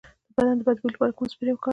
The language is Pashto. د بدن د بد بوی لپاره کوم سپری وکاروم؟